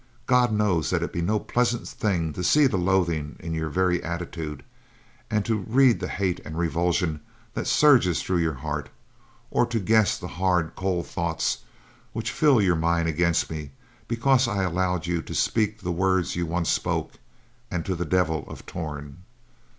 God knows that it be no pleasant thing to see the loathing in your very attitude, and to read the hate and revulsion that surges through your heart, or to guess the hard, cold thoughts which fill your mind against me because I allowed you to speak the words you once spoke, and to the Devil of Torn.